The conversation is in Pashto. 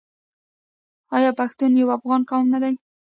آیا پښتون یو افغان قوم نه دی؟